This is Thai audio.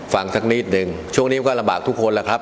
สักนิดหนึ่งช่วงนี้มันก็ลำบากทุกคนแหละครับ